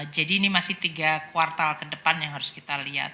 jadi ini masih tiga kuartal ke depan yang harus kita lihat